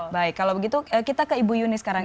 baik kalau begitu kita ke ibu yuni sekarang